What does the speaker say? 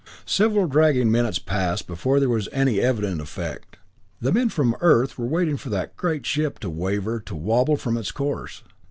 Several dragging minutes passed before there was any evident effect; the men from Earth were waiting for that great ship to waver, to wobble from its course.